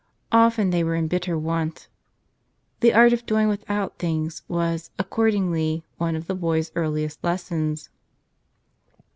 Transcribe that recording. Often they were in bitter want. The art of doing without things was, accord¬ ingly, one of the boy's earliest lessons.